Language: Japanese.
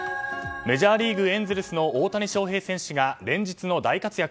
メジャーリーグ、エンゼルスの大谷翔平選手が連日の大活躍。